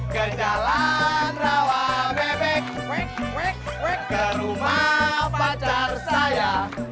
ke jalan rawa bebek week ke rumah pacar saya